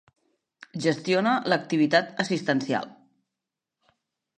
Gestiona l'activitat assistencial.